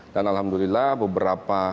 dan alhamdulillah beberapa